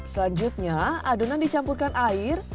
selanjutnya adonan dicampurkan air